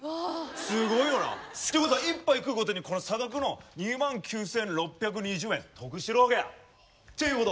すごいよな。ってことは１杯食うごとにこの差額の２万９，６２０円得してるわけ。っていうこと！